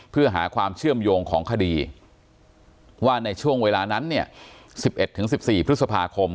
เพื่อหาความเชื่อมโยงของคดีว่าในช่วงเวลานั้นเนี่ยสิบเอ็ดถึงสิบสี่พฤษภาคม